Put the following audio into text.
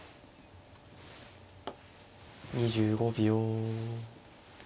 ２５秒。